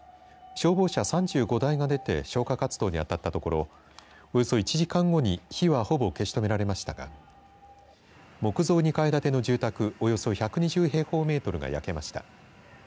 消防車３５台が出て消火活動に当たったところおよそ１時間後に火は、ほぼ消し止められましたが木造２階建ての住宅およそ１２０平方メートルが焼けました。